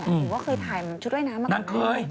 คือว่าเคยถ่ายชุดว่ายน้ำมากมาก